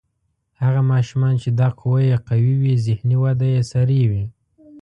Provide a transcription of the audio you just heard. هغه ماشومان چې دا قوه یې قوي وي ذهني وده یې سریع وي.